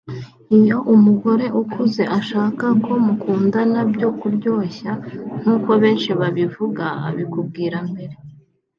Iyo umugabo ukuze ashaka ko mukundana byo kuryoshya nkuko benshi babivuga abikubwira mbere